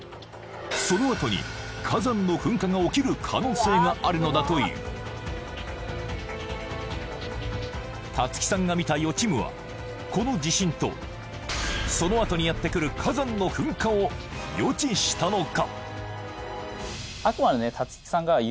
そのあとに火山の噴火が起きる可能性があるのだというたつきさんが見た予知夢はこの地震とそのあとにやってくる火山の噴火を予知したのか？